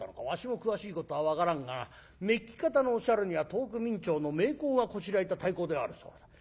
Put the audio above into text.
わしも詳しいことは分からんが目利き方のおっしゃるには遠く明朝の名工がこしらえた太鼓であるそうだ。